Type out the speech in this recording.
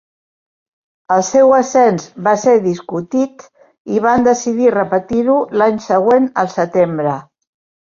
El seu ascens va ser discutit i van decidir repetir-ho l'any següent al setembre.